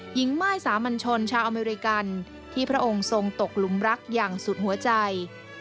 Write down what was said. ม่ายสามัญชนชาวอเมริกันที่พระองค์ทรงตกหลุมรักอย่างสุดหัวใจ